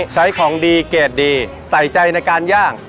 ใช้ของดีเกรดดีใส่ใจในการย่าง